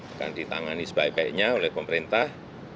akan ditangani sebaik baiknya oleh pemerintah